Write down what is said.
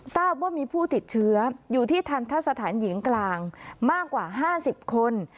ทราบว่ามีผู้ติดเชื้ออยู่ที่ทันทะสถานหญิงกลางมากกว่า๕๐คน